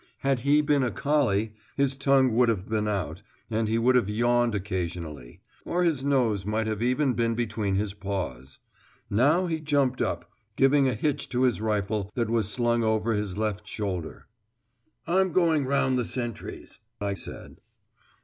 Had he been a collie, his tongue would have been out, and he would have yawned occasionally; or his nose might even have been between his paws. Now he jumped up, giving a hitch to his rifle that was slung over his left shoulder. "I'm going round the sentries," I said.